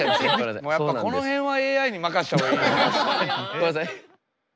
ごめんなさい。